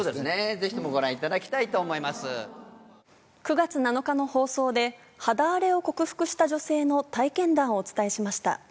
ぜひともご覧いただきたいと９月７日の放送で、肌荒れを克服した女性の体験談をお伝えしました。